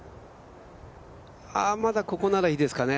あ、まだここならいいですかね。